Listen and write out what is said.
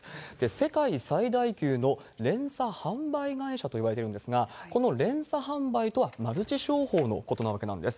世界最大級の連鎖販売会社といわれてるんですが、この連鎖販売とは、マルチ商法のことなわけなんです。